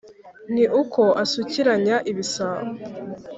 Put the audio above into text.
ni uko asukiranya ibisabo.